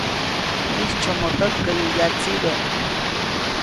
Mijtsyomoʼ täjkäyu yatsibä.